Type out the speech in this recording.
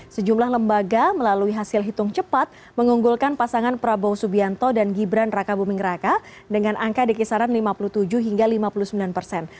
sejumlah lembaga melalui hasil hitung cepat mengunggulkan pasangan prabowo subianto dan gibran raka buming raka dengan angka di kisaran lima puluh tujuh hingga lima puluh sembilan persen